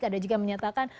ada juga yang menyatakan